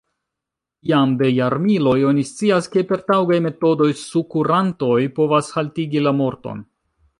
Jam de jarmiloj oni scias, ke per taŭgaj metodoj sukurantoj povas haltigi la morton.